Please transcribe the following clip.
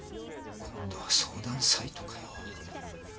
今度は相談サイトかよ。